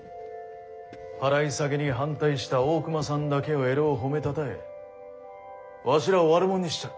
払い下げに反対した大隈さんだけをえろう褒めたたえわしらを悪者にしちょる。